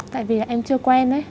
tại vì là em chưa quen ấy